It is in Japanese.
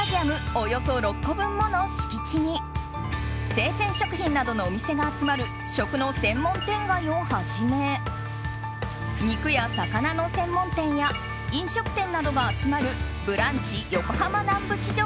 およそ６個分もの敷地に生鮮食品などのお店が集まる食の専門店街をはじめ肉や魚の専門店や飲食店などが集まるブランチ横浜南部市場。